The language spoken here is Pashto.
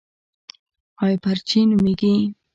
هایپرجي نومېږي.